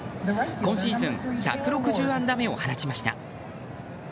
今シーズン１６０安打目を放ちました。